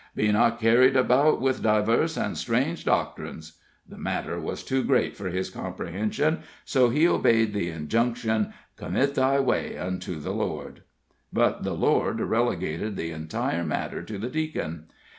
"Be not carried about with divers and strange doctrines." The matter was too great for his comprehension, so he obeyed the injunction, "Commit thy way unto the Lord." But the Lord relegated the entire matter to the Deacon.